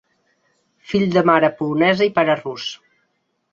Fill de mare polonesa i pare rus.